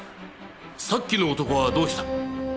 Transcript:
さっきの男はどうした？